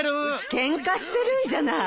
ケンカしてるんじゃない？